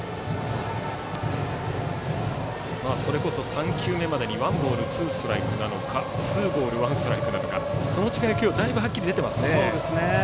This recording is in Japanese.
３球目までにワンボールツーストライクなのかツーボールワンストライクなのかその違いが今日、だいぶはっきり出てますね。